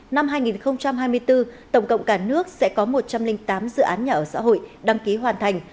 năm hai nghìn hai mươi bốn tổng cộng cả nước sẽ có một trăm linh tám dự án nhà ở xã hội đăng ký hoàn thành